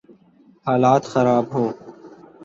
حالات خراب ہوں۔